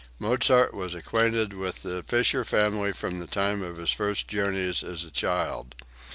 Mozart was acquainted with the Fischer family from the time of his first journeys as a child.